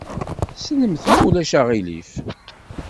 Slemt, ma ulac aɣilif.